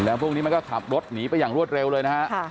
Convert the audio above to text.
แล้วพวกนี้มันก็ขับรถหนีไปอย่างรวดเร็วเลยนะฮะ